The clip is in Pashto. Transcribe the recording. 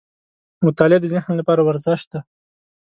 • مطالعه د ذهن لپاره ورزش دی.